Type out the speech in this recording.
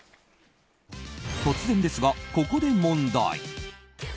突然ですが、ここで問題。